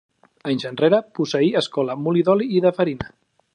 Anys enrere posseí escola, molí d'oli i de farina.